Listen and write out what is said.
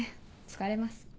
疲れます。